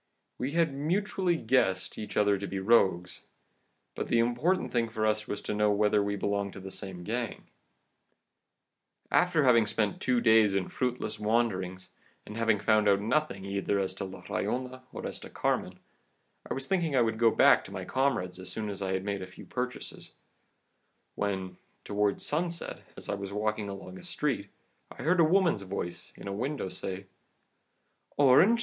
We had mutually guessed each other to be rogues, but the important thing for us was to know whether we belonged to the same gang. After having spent two days in fruitless wanderings, and having found out nothing either as to La Rollona or as to Carmen, I was thinking I would go back to my comrades as soon as I had made a few purchases, when, toward sunset, as I was walking along a street, I heard a woman's voice from a window say, 'Orange seller!